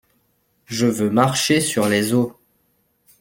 Je veux marcher sur les eaux!